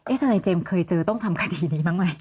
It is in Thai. ทนายเจมส์เคยเจอต้องทำคดีนี้บ้างไหม